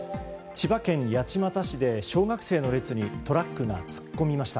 千葉県八街市で小学生の列にトラックが突っ込みました。